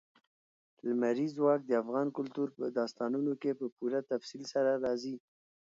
لمریز ځواک د افغان کلتور په داستانونو کې په پوره تفصیل سره راځي.